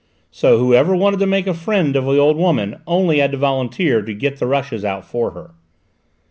So whoever wanted to make a friend of the old woman only had to volunteer to get the rushes out for her.